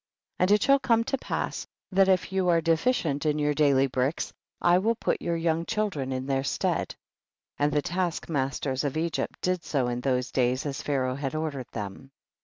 14. And it shall come to pass that if you are deficient in your daily bricks, I will put your young child ren in their stead. 15. And the task masters of Egypt did so in those days as Pha raoh had ordered them.